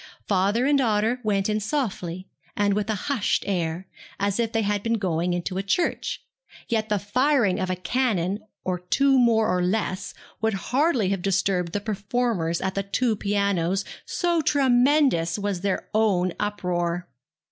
Father and daughter went in softly, and with a hushed air, as if they had been going into church; yet the firing of a cannon or two more or less would hardly have disturbed the performers at the two pianos, so tremendous was their own uproar.